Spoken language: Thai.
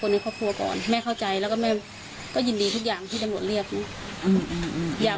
แล้วออกหมายจับสตเนี่ยนะ